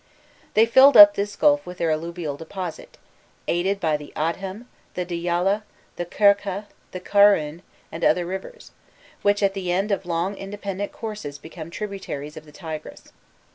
* They filled up this gulf with their alluvial deposit, aided by the Adhem, the Diyaleh, the Kerkha, the Karun, and other rivers, which at the end of long independent courses became tributaries of the Tigris.